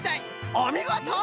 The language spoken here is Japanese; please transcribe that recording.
おみごと！